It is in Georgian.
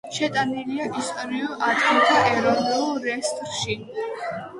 შეტანილია ისტორიულ ადგილთა ეროვნულ რეესტრში.